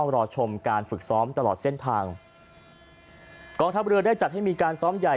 รอชมการฝึกซ้อมตลอดเส้นทางกองทัพเรือได้จัดให้มีการซ้อมใหญ่